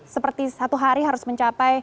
seperti satu hari harus mencapai